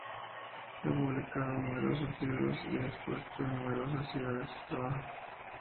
Ha publicado numerosos libros y ha expuesto en numerosas ciudades su trabajo.